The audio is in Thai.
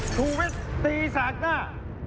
ชูวิทย์ตีแสกหน้า